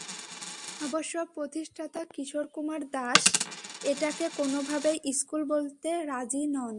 অবশ্য প্রতিষ্ঠাতা কিশোর কুমার দাশ এটাকে কোনোভাবেই স্কুল বলতে রাজি নন।